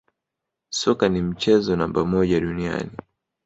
Soka ni mchezo namba moja duniani